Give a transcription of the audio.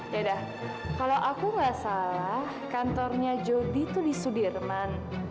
dadah kalau aku nggak salah kantornya jody itu di sudirman